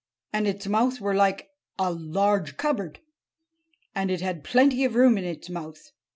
And its mouth were like a large cupboard. And it had plenty of room in its mouth.